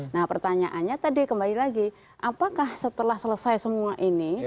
nah pertanyaannya tadi kembali lagi apakah setelah selesai semua ini